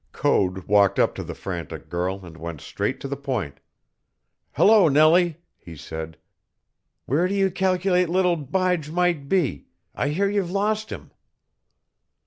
Code walked up to the frantic girl and went straight to the point. "Hello, Nellie!" he said. "Where do you cal'late little Bige might be? I hear you've lost him."